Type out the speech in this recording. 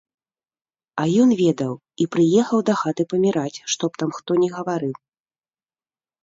А ён ведаў, і прыехаў дахаты паміраць, што б там хто ні гаварыў.